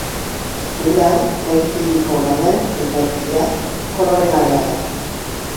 Ura, gai kimiko garden eta ia koloregabea da.